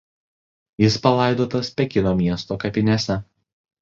Jis palaidotas Pekino miesto kapinėse.